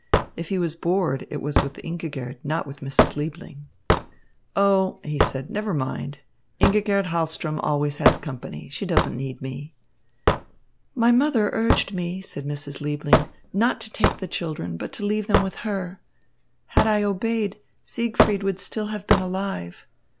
If he was bored, it was with Ingigerd, not with Mrs. Liebling. "Oh," he said, "never mind. Ingigerd Hahlström always has company. She doesn't need me." "My mother urged me," said Mrs. Liebling, "not to take the children, but to leave them with her. Had I obeyed, Siegfried would still have been alive.